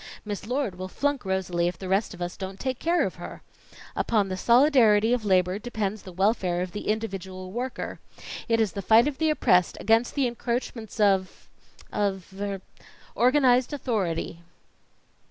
Miss Lord will flunk Rosalie if the rest of us don't take care of her. Upon the solidarity of labor depends the welfare of the individual worker. It is the fight of the oppressed against the encroachments of of er organized authority."